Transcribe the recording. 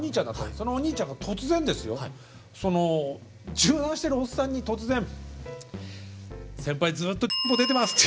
そのおにいちゃんが突然ですよその柔軟してるおっさんに突然「先輩ずっとぽ出てます」って。